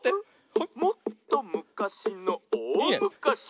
「もっとむかしのおおむかし」